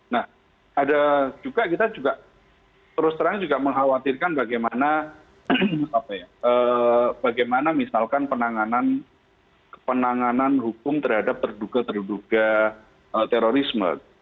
nah ada juga kita juga terus terang juga mengkhawatirkan bagaimana misalkan penanganan hukum terhadap terduga terduga terorisme